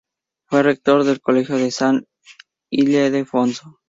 Fue rector del Colegio de San Ildefonso.